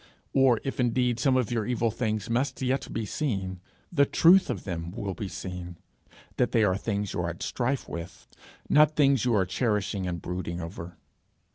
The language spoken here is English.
Or if indeed some of your evil things must yet be seen, the truth of them will be seen that they are things you are at strife with, not things you are cherishing and brooding over.